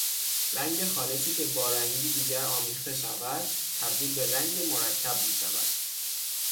رنگ خالصی که بارنگی دیگر آمیخته شود تبدیل به رنگ مرکب میشود.